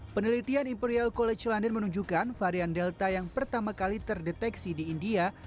penelitian imperial college london menunjukkan varian delta yang pertama kali terdeteksi di india